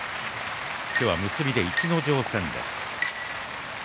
今日は結びで逸ノ城戦です。